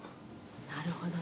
「なるほどね」